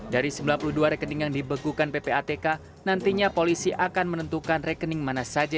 dari sembilan puluh dua rekening yang dibekukan ppatk nantinya polisi akan menentukan rekening mana saja